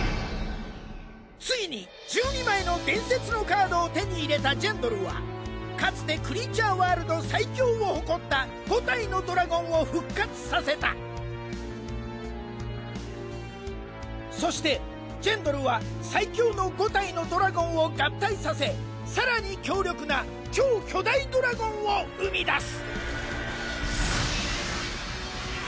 ついに１２枚の伝説のカードを手に入れたジェンドルはかつてクリーチャーワールド最強を誇った５体のドラゴンを復活させたそしてジェンドルは最強の５体のドラゴンを合体させ更に強力な超巨大ドラゴンを生み出す！